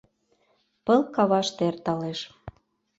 Пыл каваште эрталеш